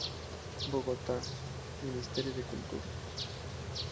Bogotá: Ministerio de Cultura.